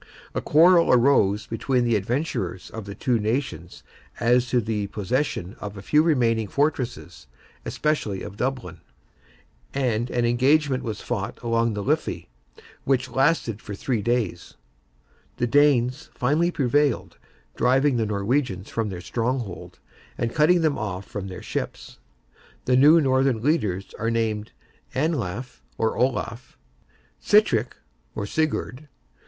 A quarrel arose between the adventurers of the two nations as to the possession of the few remaining fortresses, especially of Dublin; and an engagement was fought along the Liffey, which "lasted for three days;" the Danes finally prevailed, driving the Norwegians from their stronghold, and cutting them off from their ships. The new Northern leaders are named Anlaf, or Olaf, Sitrick (Sigurd?)